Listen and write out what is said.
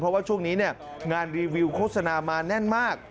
เพราะว่าช่วงนี้งานรีวิวโฆษณามาแน่นมาก